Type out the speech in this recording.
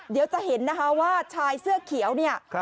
เดี๋ยวจะเห็นนะคะว่าชายเสื้อเขียวเนี่ย